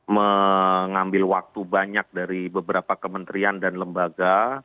mengambil waktu banyak dari beberapa kementerian dan lembaga